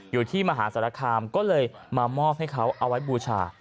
อยู่ที่มหาสารคามก็เลยมามอบให้เขาเอาไว้บูชา